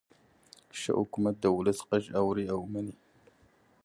ښه حکومت د ولس غږ اوري او مني.